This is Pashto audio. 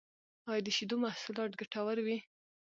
ایا د شیدو محصولات ګټور وی؟